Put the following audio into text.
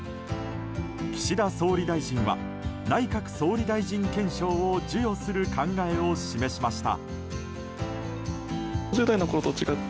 岸田総理大臣は内閣総理大臣顕彰を授与する考えを示しました。